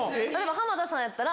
浜田さんやったら。